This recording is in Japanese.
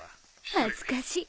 恥ずかしい。